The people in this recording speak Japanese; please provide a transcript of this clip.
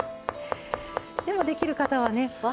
でも、できる方は。